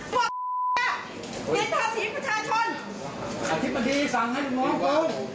ทำไมไม่รับรองบอกเย็นทาสีประชาชนอธิบดีสั่งให้ดินมา